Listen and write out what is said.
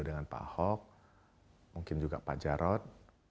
dengan pak ahok mungkin juga pak jarod